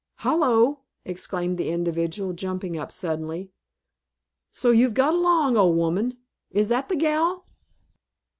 "Hallo!" exclaimed this individual, jumping up suddenly. "So you've got along, old woman! Is that the gal?"